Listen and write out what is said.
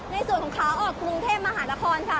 ในส่วนของขาออกกรุงเทพมหานครค่ะ